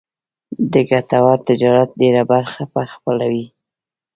د ګټور تجارت ډېره برخه به خپلوي.